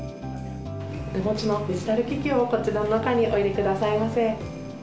お持ちのデジタル機器をこちらの中にお入れくださいませ。